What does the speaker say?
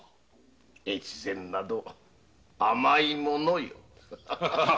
越前など甘いものよ。